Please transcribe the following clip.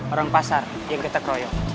orang pasar yang ketek royok